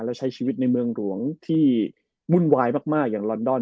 และใช้ชีวิตในเมืองหลวงที่วุ่นวายมากอย่างลอนดอน